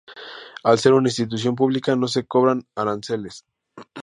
Al ser una institución pública no se cobran aranceles.